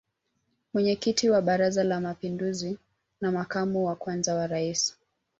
Mwenyekiti wa Baraza la mapinduzi na makamu wa kwanza wa Rais